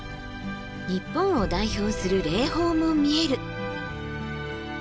日本を代表する霊峰も見える。